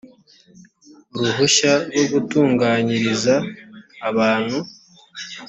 uruhushya rwo gutunganyiriza abantu